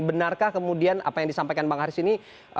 benarkah kemudian apa yang disampaikan bang haris ini